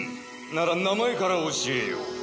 なら名前から教えよう。